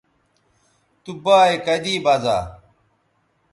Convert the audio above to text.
تو بایئے کدی بزا